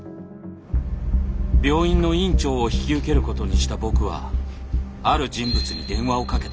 病院の院長を引き受けることにした僕はある人物に電話をかけた。